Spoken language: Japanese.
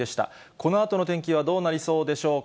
このあとの天気はどうなりそうでしょうか。